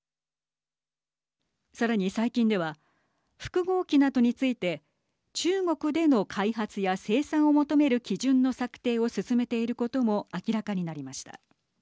さらに最近では複合機などについて中国での開発や生産を求める基準の策定を進めていることも明らかになりました。